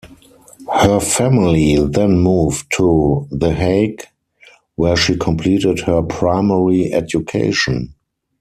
Her family then moved to The Hague, where she completed her primary education.